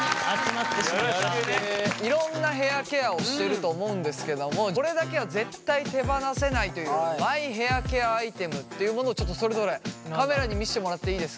いろんなヘアケアをしてると思うんですけどもこれだけは絶対手放せないというマイヘアケアアイテムっていうものをちょっとそれぞれカメラに見せてもらってもいいですか？